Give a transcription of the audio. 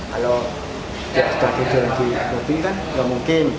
kalau dia sudah tidur di abu abu kan gak mungkin